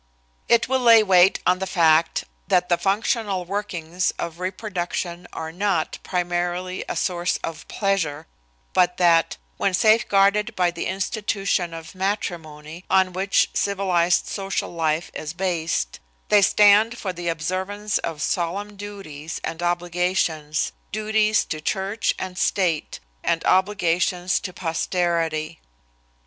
It will lay weight on the fact that the functional workings of reproduction are not, primarily, a source of pleasure, but that when safeguarded by the institution of matrimony, on which civilized social life is based they stand for the observance of solemn duties and obligations, duties to church and state, and obligations to posterity.